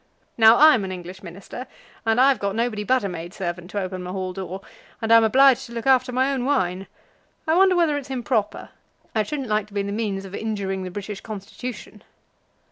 Now, I'm an English Minister, and I've got nobody but a maid servant to open my hall door, and I'm obliged to look after my own wine. I wonder whether it's improper? I shouldn't like to be the means of injuring the British Constitution."